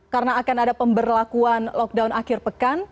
karena akan ada pemberlakuan lockdown akhir pekan